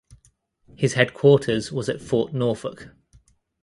His headquarters was at Fort Norfolk.